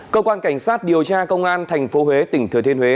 cơ quan cảnh sát điều tra công an thành phố huế tỉnh thừa thiên huế